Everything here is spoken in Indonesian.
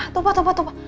tuh pak tuh pak tuh pak